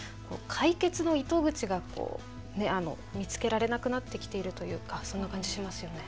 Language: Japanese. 解決の糸口が見つけられなくなってきているというかそんな感じしますよね。